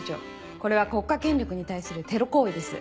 これは国家権力に対するテロ行為です。